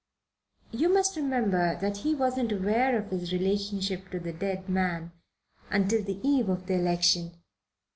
"You must remember that he wasn't aware of his relation to the dead man until the eve of the election."